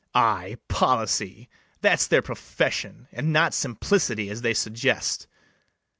Ay, policy! that's their profession, And not simplicity, as they suggest.